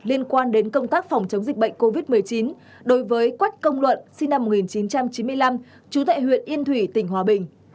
liên quan đến công tác phòng chống dịch bệnh covid một mươi chín đối với quách công luận sinh năm một nghìn chín trăm chín mươi năm trú tại huyện yên thủy tỉnh hòa bình